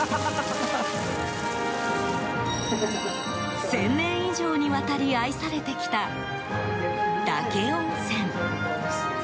１０００年以上にわたり愛されてきた岳温泉。